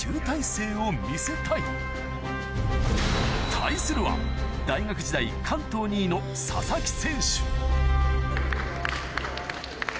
対するは大学時代関東２位の佐々木選手